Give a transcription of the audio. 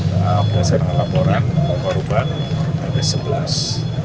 nah sudah saya laporan pokok ruban abis sebelas